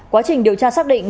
quá trình điều tra xác định